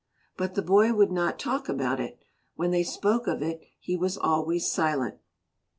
But the boy would not talk about it; when they spoke of it he was always silent.